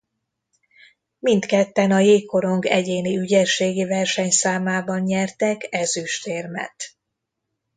Mindketten a jégkorong egyéni ügyességi versenyszámában nyertek ezüstérmet.